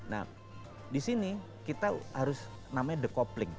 nah di sini kita harus namanya the copling